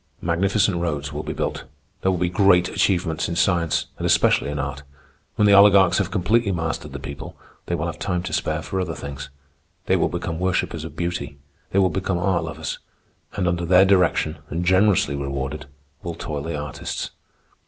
Magnificent roads will be built. There will be great achievements in science, and especially in art. When the oligarchs have completely mastered the people, they will have time to spare for other things. They will become worshippers of beauty. They will become art lovers. And under their direction and generously rewarded, will toil the artists.